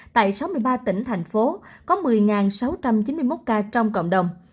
tại sáu mươi ba tỉnh thành phố có một mươi sáu trăm chín mươi một ca trong cộng đồng